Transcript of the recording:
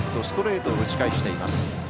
ストレートを打ち返しています。